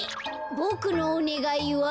ボクのおねがいは。